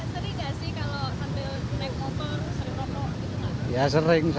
bapak sering nggak sih kalau sambil naik motor sering merokok